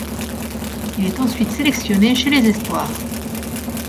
Il est ensuite sélectionné chez les Espoirs.